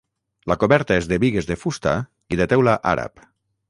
La coberta és de bigues de fusta i de teula àrab.